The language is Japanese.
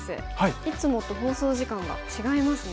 いつもと放送時間が違いますね。